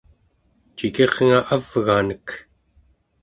cikirnga avganek!